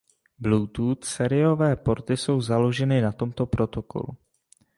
Bluetooth sériové porty jsou založeny na tomto protokolu.